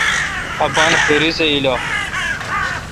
اپان خوِری سہ ایلہ۔